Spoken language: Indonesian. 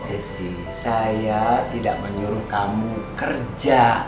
desi saya tidak menyuruh kamu kerja